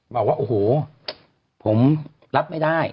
บอกว่าโอ้โหผมรับไม่ได้